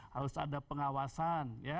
harus ada pengawasan